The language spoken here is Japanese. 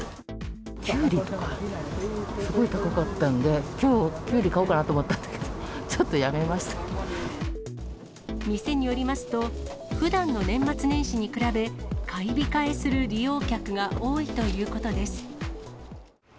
キュウリとかすごい高かったんで、きょう、キュウリ買おうかなと思ったんだけど、ちょっとや店によりますと、ふだんの年末年始に比べ、買い控えする利用客が多いということです。